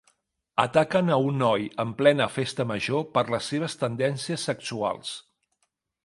Ataquen a un noi en plena festa major per les seves tendències sexuals